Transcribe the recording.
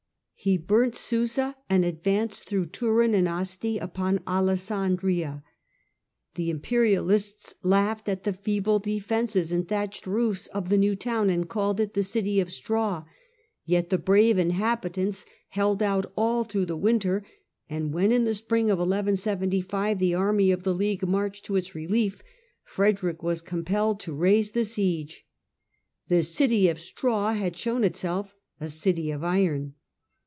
He burnt Susa and advanced through Turin and Asti upon Alessandria. The im perialists laughed at the feeble defences and thatched • roofs of the new town, and called it " the city of straw," yet the brave inhabitants held out all through the winter, and when, in the spring of 1175, the army of the League marched to its relief, Frederick was compelled to raise the siege. " The city of straw had shown itself a city of iron."